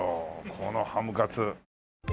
このハムカツ。